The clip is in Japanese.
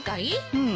うん。